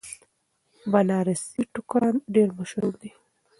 بنارسي ټوکران ډیر مشهور دي.